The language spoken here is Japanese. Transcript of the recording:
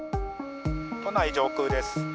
都内上空です。